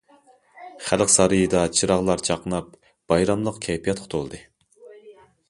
خەلق سارىيىدا چىراغلار چاقناپ، بايراملىق كەيپىياتقا تولدى.